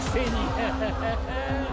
ハハハハッ！